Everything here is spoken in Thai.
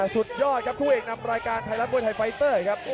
สุดยอดครับคู่เอกนำรายการไทยรัฐมวยไทยไฟเตอร์ครับ